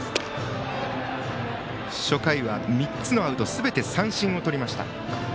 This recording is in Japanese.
初回は２つのアウトすべて三振をとりました、森岡。